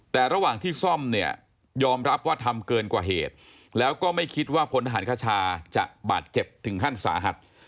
แต่ระหว่างที่ซ่อมเนี่ยยอมรับว่าทำเกินกว่าเหตุแล้วก็ไม่คิดว่าพลทหารคชาจะบาดเจ็บถึงขั้นสาหัส